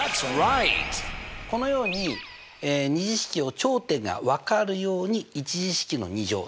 このように２次式を頂点がわかるように１次式の２乗をね